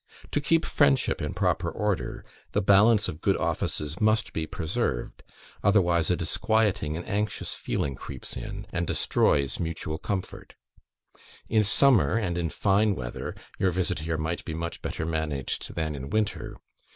To keep friendship in proper order, the balance of good offices must be preserved, otherwise a disquieting and anxious feeling creeps in, and destroys mutual comfort. In summer and in fine weather, your visit here might be much better managed than in winter.